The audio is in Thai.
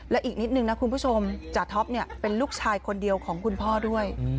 และอีกนิดนึงนะคุณผู้ชมจ่าท็อปเป็นลูกชายคนเดียวของคุณพ่อด้วย